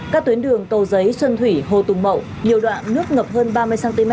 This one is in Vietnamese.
các tuyến đường cầu giấy xuân thủy hồ tùng mậu nhiều đoạn nước ngập hơn ba mươi cm